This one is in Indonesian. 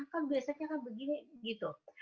kan biasanya kan begini